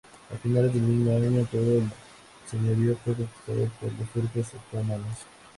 A finales del mismo año, todo el señorío fue conquistado por los turcos otomanos.